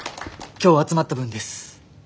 今日集まった分です。